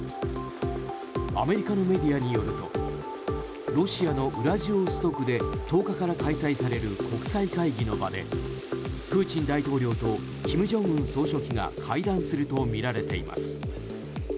アメリカのメディアによるとロシアのウラジオストクで１０日から開催される国際会議の場でプーチン大統領と金正恩総書記が会談するとみられています。